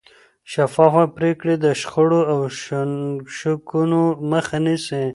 شفافه پرېکړې د شخړو او شکونو مخه نیسي